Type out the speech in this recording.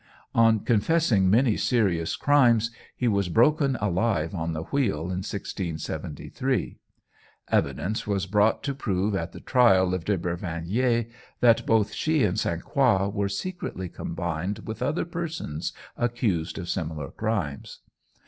On confessing many serious crimes he was broken alive on the wheel in 1673. Evidence was brought to prove at the trial of De Brinvilliers, that both she and St. Croix were secretly combined with other persons accused of similar crimes.